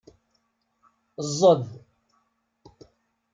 Ẓẓed.